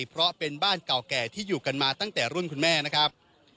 เพราะเป็นบ้านเก่าแก่ที่อยู่กันมาตั้งแต่รุ่นคุณแม่นะครับ